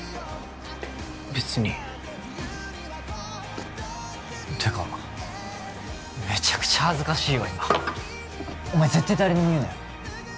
別にってかめちゃくちゃ恥ずかしいわ今お前絶対誰にも言うなよ